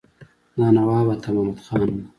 دا نواب عطا محمد خان وو.